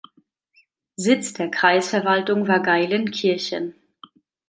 Sitz der Kreisverwaltung war Geilenkirchen.